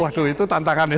waduh itu tantangan itu